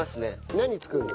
何作るの？